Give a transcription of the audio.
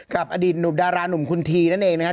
กับอดีตหนุ่มดารานุ่มคุณทีนั่นเองนะครับ